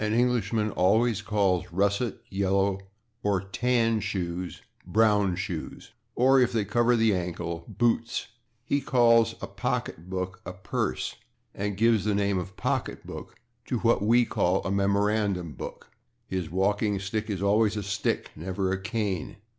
An Englishman always calls russet, yellow or tan shoes /brown/ shoes (or, if they cover the ankle, /boots/). He calls a pocketbook a /purse/, and gives the name of /pocketbook/ to what we call a /memorandum book/. His walking stick is always a /stick/, never a /cane